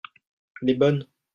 les bonnes.